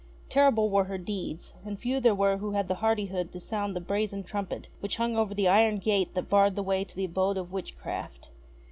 Terrible were her deeds, and few there were who had the hardihood to sound the brazen trumpet which hung over the iron gate that barred the way to the Abode of Witchcraft.